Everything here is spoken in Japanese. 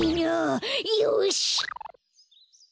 よし！